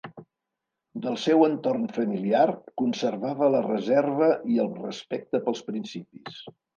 Del seu entorn familiar, conservava la reserva i el respecte pels principis.